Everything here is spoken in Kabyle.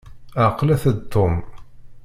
Ɛqlet-d Tom.